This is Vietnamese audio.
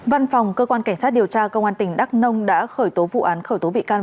văn phòng cơ quan cảnh sát điều tra công an tỉnh đắk nông đã khởi tố vụ án khởi tố bị can